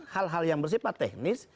hal hal yang bersifat teknis